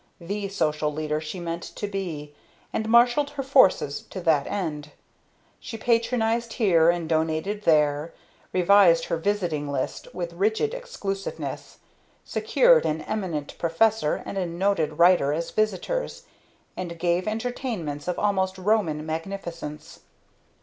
The Social Leader she meant to be; and marshalled her forces to that end. She Patronized here, and Donated there; revised her visiting list with rigid exclusiveness; secured an Eminent Professor and a Noted Writer as visitors, and gave entertainments of almost Roman magnificence.